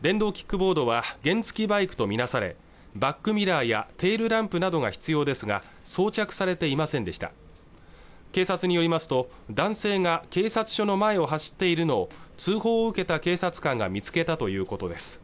電動キックボードは原付バイクとみなされバックミラーやテールランプなどが必要ですが装着されていませんでした警察によりますと男性が警察署の前を走っているのを通報を受けた警察官が見つけたということです